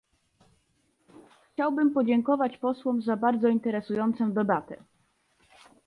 Chciałbym podziękować posłom za bardzo interesującą debatę